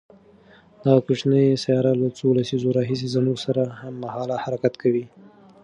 دغه کوچنۍ سیاره له څو لسیزو راهیسې زموږ سره هممهاله حرکت کوي.